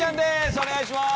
お願いします！